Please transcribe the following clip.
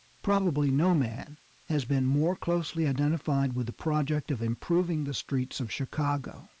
Probably no man has been more closely identified with the project of improving the streets of Chicago.